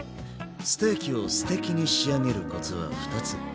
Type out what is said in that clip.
ステーキをステキに仕上げるコツは２つ。